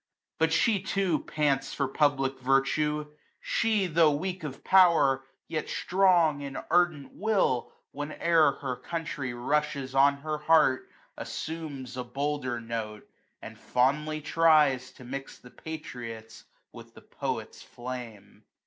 But she too pants for public virtue ; she, Tho' weak of power, yet strong in ardent will. Whene'er her country rushes on her heart, jao Assumes a bolder note ; and fondly tries To mix the patriot's with the poet's flame.